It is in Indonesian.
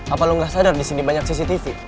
apa lo gak sadar disini banyak cctv